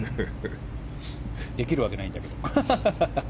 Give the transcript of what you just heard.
できるわけないんだけど。